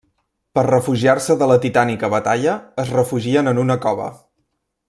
Per refugiar-se de la titànica batalla, es refugien en una cova.